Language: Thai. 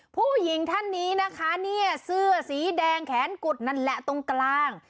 ผู้หญิงท่านนี้นะคะเนี่ยเสื้อสีแดงแขนกุดนั่นแหละตรงกลาง